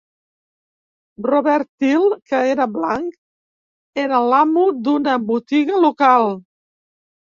Robert Teel, que era blanc, era l'amo d'una botiga local.